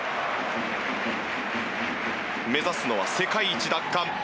目指すのは世界一奪還。